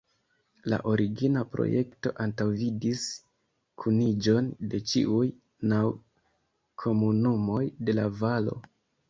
La origina projekto antaŭvidis kuniĝon de ĉiuj naŭ komunumoj de la valo.